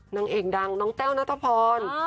นางเอกดังน้องแต้วนัทพร